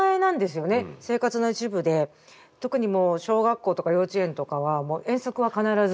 特にもう小学校とか幼稚園とかは遠足は必ず。